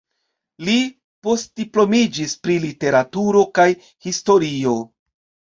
Li postdiplomiĝis pri Literaturo kaj Historio.